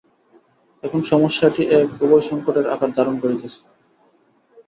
এখন সমস্যাটি এক উভয়-সঙ্কটের আকার ধারণ করিতেছে।